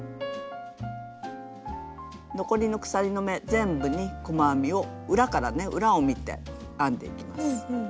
全部に細編みを裏からね裏を見て編んでいきます。